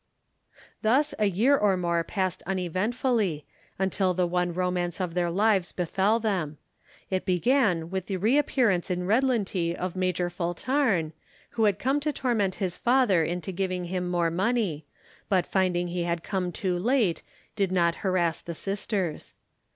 Thus a year or more passed uneventfully, until the one romance of their lives befell them. It began with the reappearance in Redlintie of Magerful Tarn, who had come to torment his father into giving him more money, but, finding he had come too late, did not harass the sisters.